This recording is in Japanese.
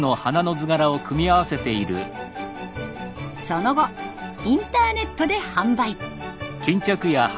その後インターネットで販売。